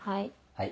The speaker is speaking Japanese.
はい。